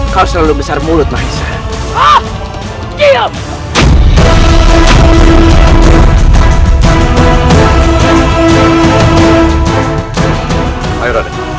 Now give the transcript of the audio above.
kau selalu besar mulut maizah